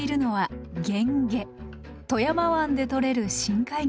富山湾で取れる深海魚です。